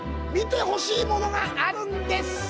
見てほしいものがあるんです。